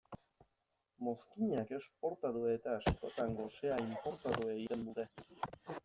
Mozkinak esportatu eta askotan gosea inportatu egiten dute.